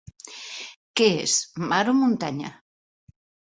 Què és, mar o muntanya?